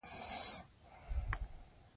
رښتینولي باید زموږ د ژوند اصل وي.